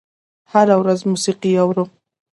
هره ورځ موسیقي اورم